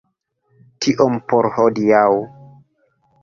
Tiom por hodiaŭ.